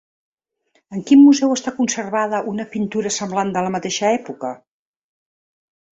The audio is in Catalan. En quin museu està conservada una pintura semblant de la mateixa època?